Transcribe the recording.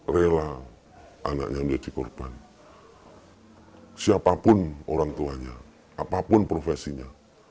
rela anaknya menjadi korban siapapun orang tuanya apapun profesinya